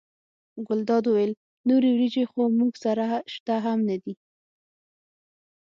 ګلداد وویل نورې وریجې خو موږ سره شته هم نه دي.